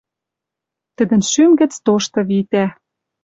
Тӹдӹн шӱм гӹц тошты витӓ